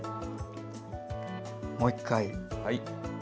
もう１回。